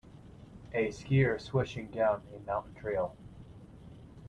A skier swishing down a mountain trail.